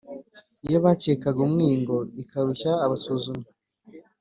Iyo bakekaga umwingo ikarushya abasuzumyi,